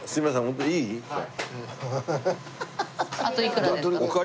あといくらですか？